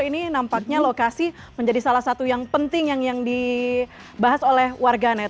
ini nampaknya lokasi menjadi salah satu yang penting yang dibahas oleh warganet